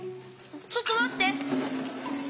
ちょっとまって！